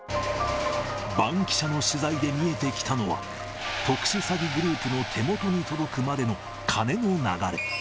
バンキシャの取材で見えてきたのは、特殊詐欺グループの手元に届くまでの金の流れ。